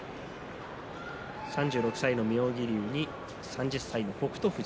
３６歳の妙義龍３０歳の北勝富士。